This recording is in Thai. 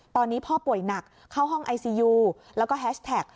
ตอนนี้พ่อป่วยหนักเข้าห้องไอซียูแล้วก็แฮชแท็ก